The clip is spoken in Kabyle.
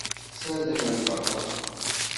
Ssarden lbaṭaṭa.